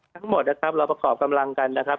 ทั้งหมดนะครับเราประกอบกำลังกันนะครับ